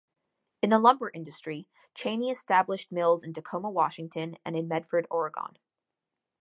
In the lumber industry, Cheney established mills in Tacoma, Washington, and in Medford, Oregon.